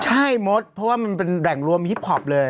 ใช่มดเพราะว่ามันเป็นแหล่งรวมฮิปพอปเลย